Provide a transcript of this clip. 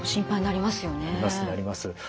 なりますなります。